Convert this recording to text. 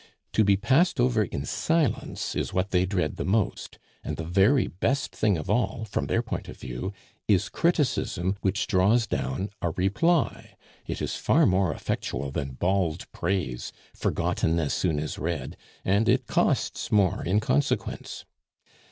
To be passed over in silence is what they dread the most; and the very best thing of all, from their point of view, is criticism which draws down a reply; it is far more effectual than bald praise, forgotten as soon as read, and it costs more in consequence.